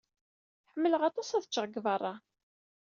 Ḥemmleɣ aṭas ad ččeɣ deg beṛṛa.